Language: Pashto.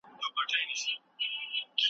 دا زندان ولي کرغېړن و ؟